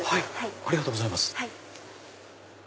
ありがとうございます。